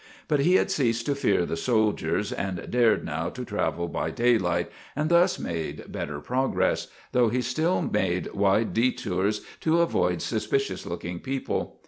But he had ceased to fear the soldiers, and dared now to travel by daylight and thus made better progress, though he still made wide detours to avoid suspicious looking people.